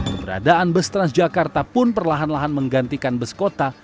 keberadaan bus transjakarta pun perlahan lahan menggantikan bus kota